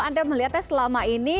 anda melihatnya selama ini